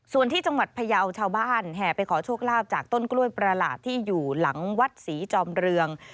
ส่วนที่จังหวัดพยาวชาวบ้านแห่ไปขอโชคลาภจากต้นกล้วยประหลาดที่อยู่หลังวัดศรีจอมเรือง